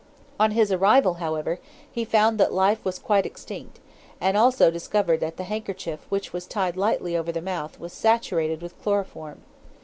On his arrival, however, he found that life was quite extinct, and also discovered that the handkerchief which was tied lightly over the mouth was saturated with chloroform.